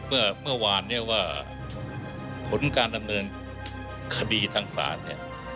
เมื่อวานเนี่ยว่าผลการดำเนินคดีทางศาลเนี่ย